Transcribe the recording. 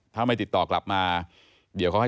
ถ้าไม่ติดต่อกลับมาเดี๋ยวเขาให้